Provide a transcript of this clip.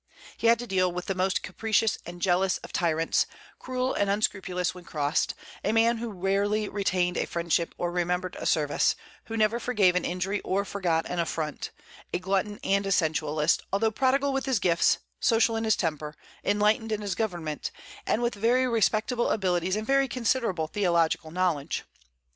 He had to deal with the most capricious and jealous of tyrants; cruel and unscrupulous when crossed; a man who rarely retained a friendship or remembered a service; who never forgave an injury or forgot an affront; a glutton and a sensualist; although prodigal with his gifts, social in his temper, enlightened in his government, and with very respectable abilities and very considerable theological knowledge.